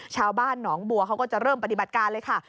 ชาวบ้านหนองบัวเขาก็จะเริ่มปฏิบัติการเลยค่ะ